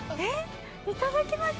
いただきます。